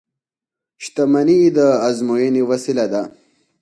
• شتمني د ازموینې وسیله ده.